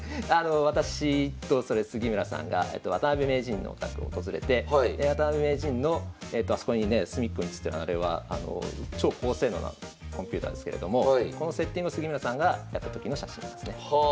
私と杉村さんが渡辺名人のお宅を訪れてで渡辺名人のあそこにね隅っこに写ってるあれは超高性能なコンピューターですけれどもこのセッティングを杉村さんがやった時の写真ですね。